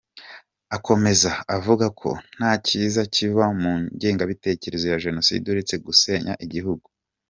Akomeza avuga ko nta cyiza kiva mu ngengabitekerezo ya Jenoside uretse gusenya igihugu.